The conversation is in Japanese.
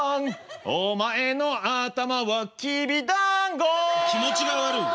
おまえのあたまはきびだんご気持ちが悪い。